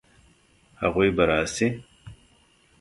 هغوی به راشي؟